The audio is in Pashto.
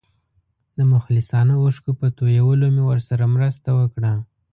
د مخلصانه اوښکو په تویولو مې ورسره مرسته وکړه.